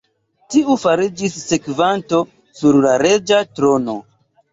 Tiu fariĝis sekvanto sur la reĝa trono.